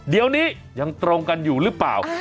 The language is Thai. เดี๋ยวนี้ยังตรงกันอยู่หรือเปล่า